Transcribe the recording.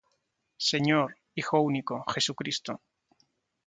Señor, Hijo único, Jesucristo.